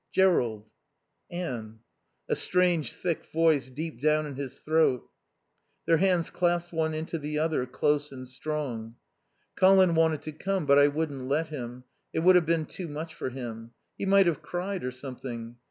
"Jerrold " "Anne." A strange, thick voice deep down in his throat. Their hands clasped one into the other, close and strong. "Colin wanted to come, but I wouldn't let him. It would have been too much for him. He might have cried or something